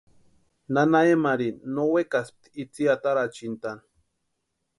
Nana Emarini no wekaspti itsï atarachintʼani.